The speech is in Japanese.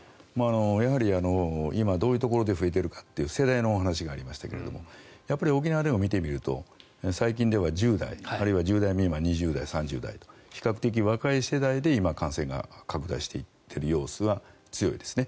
やはり今どういうところで増えているかという世代の話がありましたが沖縄でも見てみると最近では１０代、１０代未満２０代、３０代比較的若い世代で今、感染が拡大していってる様子が強いですね。